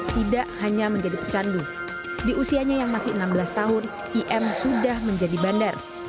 tidak hanya menjadi pecandu di usianya yang masih enam belas tahun im sudah menjadi bandar